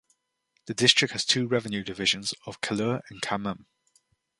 The district has two revenue divisions of Kallur and Khammam.